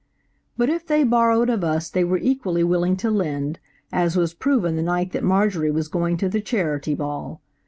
But if they borrowed of us they were equally willing to lend, as was proven the night that Marjorie was going to the Charity Ball.